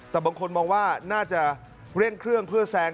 แต่บางคนมองว่าน่าจะเร่งเครื่องเพื่อแซง